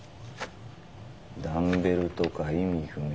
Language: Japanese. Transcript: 「ダンベルとか意味不明。